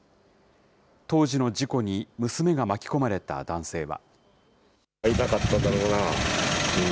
当時の事故に娘が巻き込まれた男性は。